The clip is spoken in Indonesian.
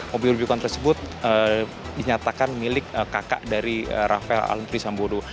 mobil rujukan tersebut dinyatakan milik kakak dari rafael aluntri sambodo